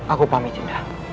aku pamit ibunda